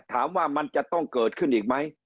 ถามว่ามันจะต้องเกิดขึ้นอีกไหม